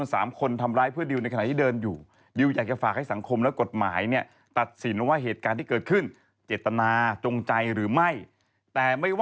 เอามอไซค์ไปสองคนคันละสาม